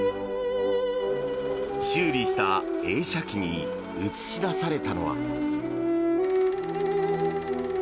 修理した映写機に映し出されたのは。